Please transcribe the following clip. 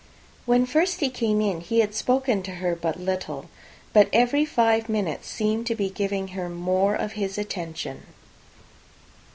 When first he came in, he had spoken to her but little, but every five minutes seemed to be giving her more of his attention.